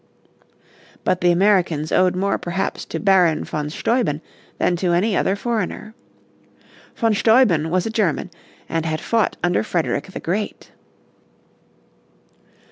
But the Americans owed more perhaps to Baron von Steuben than to any other foreigner. Von Steuben was a German, and had fought under Frederick the Great.